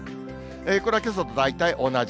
これはけさと大体同じ。